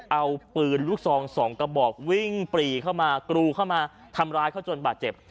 เอาปืนลูกซองสองกระบอกวิ่งปรีเข้ามากรูเข้ามาทำร้ายเขาจนบาดเจ็บ